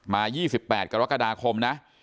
มา๒๘กรกฏฐาคม